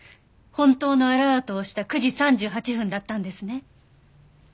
本当のアラートをした９時３８分だったんですね。